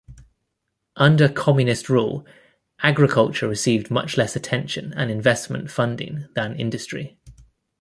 Under communist rule, agriculture received much less attention and investment funding than industry.